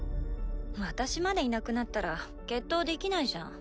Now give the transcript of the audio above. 私までいなくなったら決闘できないじゃん。